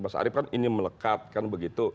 mas arief kan ini melekat kan begitu